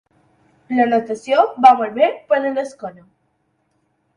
La natació va molt bé per a l'esquena.